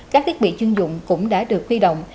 các thiết bị chuyên dụng cũng đã được huy động